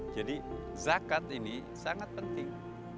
jadi zakat ini sangat penting